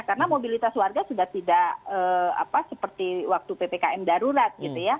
karena mobilitas warga sudah tidak seperti waktu ppkm darurat